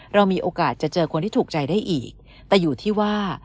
เรามีโอกาสจะเจอคนที่ถูกใจได้อีกแต่อยู่ที่ว่า